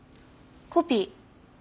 コピー？